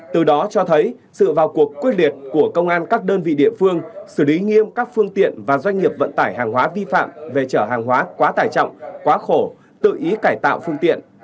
từ đó cho thấy sự vào cuộc quyết liệt của công an các đơn vị địa phương xử lý nghiêm các phương tiện và doanh nghiệp vận tải hàng hóa vi phạm về chở hàng hóa quá tải trọng quá khổ tự ý cải tạo phương tiện